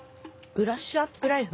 『ブラッシュアップライフ』！